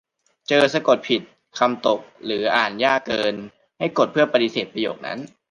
เจอสะกดผิด คำตก หรืออ่านยากเกิน ให้กด เพื่อปฏิเสธประโยคนั้น